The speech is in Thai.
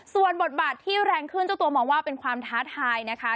ส่วนบทบาทที่แรงขึ้นเจ้าตัวมองว่าเป็นความท้าทายนะคะ